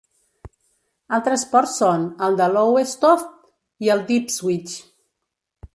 Altres ports són: el de Lowestoft, i el d'Ipswich.